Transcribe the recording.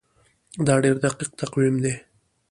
دا ډیر دقیق تقویم دی.